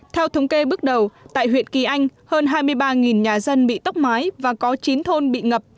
theo thống kê bước đầu tại huyện kỳ anh hơn hai mươi ba nhà dân bị tốc mái và có chín thôn bị ngập